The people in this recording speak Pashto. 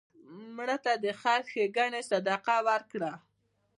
مړه ته د خیر ښیګڼې صدقه وکړه